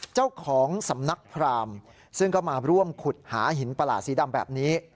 เจ้าของสำนักพรามซึ่งก็มาร่วมขุดหาหินประหลาดสีดำแบบนี้